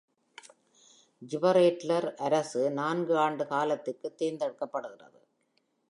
Gibraltar அரசு நான்கு ஆண்டு காலத்திற்கு தேர்ந்தெடுக்கப்படுகிறது.